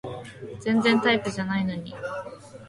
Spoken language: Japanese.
全然タイプじゃないのに